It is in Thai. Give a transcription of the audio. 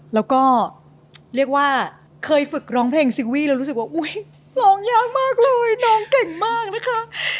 แล้วก็เรียกว่าเคยฝึกร้องเพลงซีรีส์แล้วรู้สึกว่าอุ๊ยร้องยากมากเลยน้องเก่งมากนะคะ